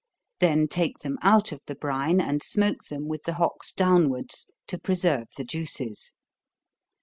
Then take them out of the brine, and smoke them with the hocks downwards, to preserve the juices.